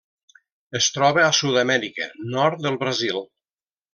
Es troba a Sud-amèrica: nord del Brasil.